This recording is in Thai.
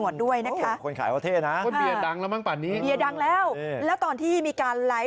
ดังกว่าพี่ปู้อีกนะ